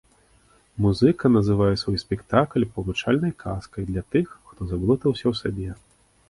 Музыка называе свой спектакль павучальнай казкай для тых, хто заблытаўся ў сабе.